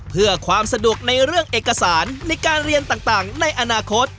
เพื่อความสะดวกในเรื่องเอกสารในการเรียนต่างในอนาคต